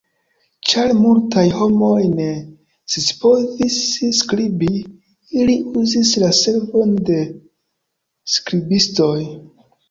Ĉar multaj homoj ne scipovis skribi, ili uzis la servon de skribistoj.